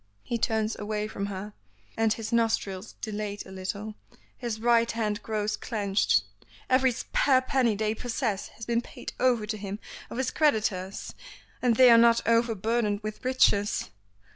He turns away from her, and his nostrils dilate a little; his right hand grows clenched. "Every spare penny they possess has been paid over to him of his creditors, and they are not over burdened with riches.